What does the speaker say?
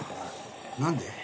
何で？